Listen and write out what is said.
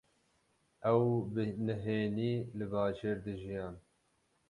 Ew bi nihênî li bajêr dijiyan.